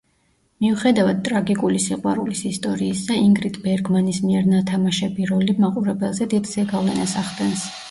მიუხედავად ტრაგიკული სიყვარულის ისტორიისა, ინგრიდ ბერგმანის მიერ ნათამაშები როლი მაყურებელზე დიდ ზეგავლენას ახდენს.